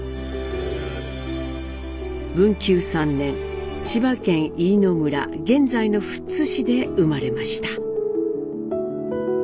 文久３年千葉県飯野村現在の富津市で生まれました。